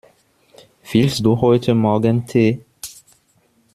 Willst du heute morgen Tee?